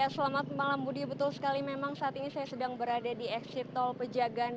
selamat malam budi betul sekali memang saat ini saya sedang berada di eksit tol pejagaan